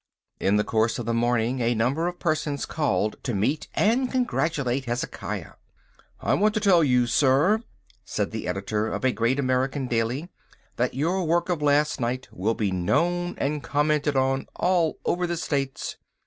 In the course of the morning a number of persons called to meet and congratulate Hezekiah. "I want to tell you, sir," said the editor of a great American daily, "that your work of last night will be known and commented on all over the States.